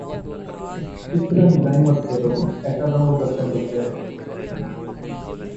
اس طرح نگاہیں مت پھیرو، ایسا نہ ہو دھڑکن رک جائے